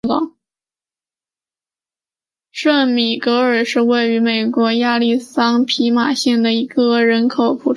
圣米格尔是位于美国亚利桑那州皮马县的一个人口普查指定地区。